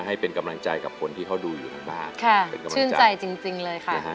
ให้เป็นกำลังใจกับคนที่เขาดูอยู่ทางบ้านค่ะเป็นกำลังใจชื่นใจจริงเลยค่ะ